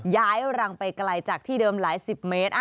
ย้ายรังไปไกลจากที่เดิมหลายสิบเมตร